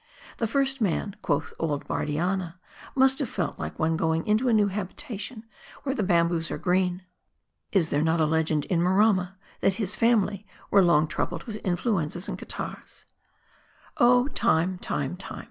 The first man, quoth old Bardianna, must have felt like one going into a new habitation, where the bamboos are green. Is there not a legend in Maram ma, that his family were long troubled with influenzas and catarrhs ?"" Oh Time, Time, Time